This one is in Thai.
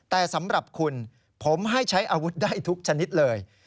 แต่สำหรับคุณผมให้ใช้อาวุธได้ทุกชนิดเลย